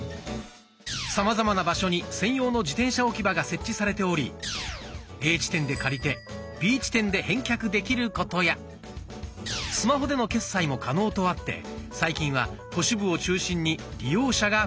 さまざまな場所に専用の自転車置き場が設置されておりＡ地点で借りてＢ地点で返却できることやスマホでの決済も可能とあって最近は都市部を中心に利用者が増えています。